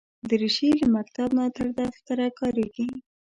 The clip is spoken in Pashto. دریشي له مکتب نه تر دفتره کارېږي.